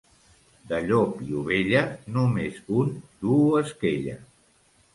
De llop i ovella, només un duu esquella.